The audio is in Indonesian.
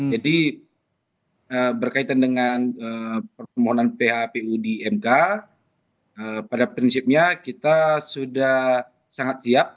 jadi berkaitan dengan permohonan phpu di mk pada prinsipnya kita sudah sangat siap